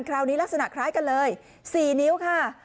ลักษณะคล้ายกันเลย๔นิ้วค่ะ